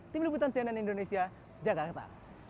tim liputan cnn indonesia jakarta